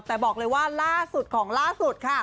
แต่บอกเลยว่าล่าสุดของล่าสุดค่ะ